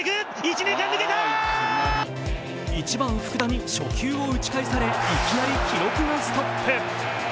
１番・福田に初球を打ち返され、いきなり記録がストップ。